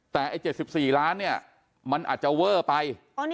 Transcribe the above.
แต่๗๔ล้านมันอาจจะเวอร์ไป